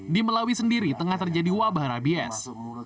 di melawi sendiri tengah terjadi wabah rabies